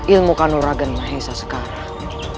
ilmu kanuragan mahesa sekarang